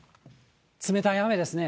冷たい雨ですね。